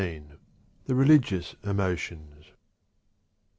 The Religious Emotions.